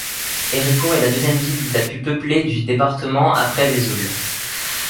Héricourt est la deuxième ville la plus peuplée du département après Vesoul.